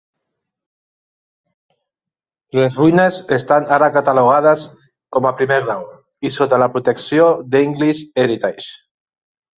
Les ruïnes estan ara catalogades com a primer grau i sota la protecció d'English Heritage.